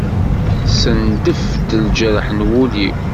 Tessendef-d lǧerḥ n wul-iw.